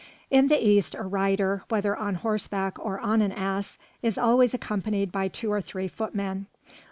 In the East a rider, whether on horseback or on an ass, is always accompanied by two or three footmen.